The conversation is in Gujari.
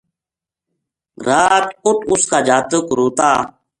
رات اُت اس کا جاتک روتا